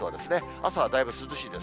朝はだいぶ涼しいです。